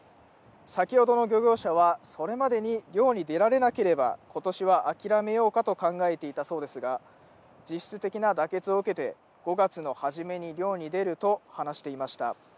先ほどの漁業者は、それまでに漁に出られなければ、ことしは諦めようかと考えていたそうですが、実質的な妥結を受けて、５月の初めに漁に出ると話していました。